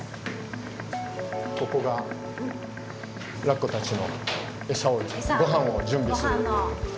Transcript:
ここがラッコたちのエサをごはんを準備する部屋です。